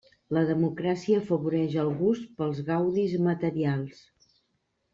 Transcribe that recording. La democràcia afavoreix el gust pels gaudis materials.